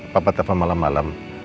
papa telfon malam malam